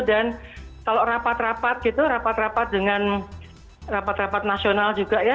dan kalau rapat rapat gitu rapat rapat dengan rapat rapat nasional juga ya